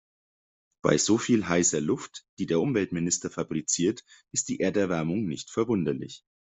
Bei so viel heißer Luft, die der Umweltminister fabriziert, ist die Erderwärmung nicht verwunderlich.